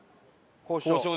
交渉。